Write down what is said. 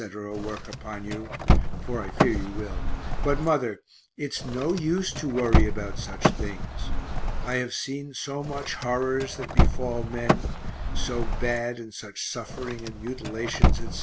work upon you, for I fear you will but, mother, it's no use to worry about such things. I have seen so much horrors that befall men (so bad and such suffering and mutilations, etc.